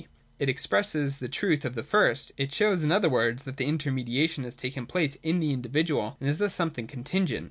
It expresses the truth of the first; it shows in other words that the inter mediation has taken place in the individual, and is thus something contingent.